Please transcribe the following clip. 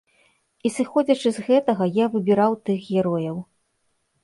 І сыходзячы з гэтага я выбіраў тых герояў.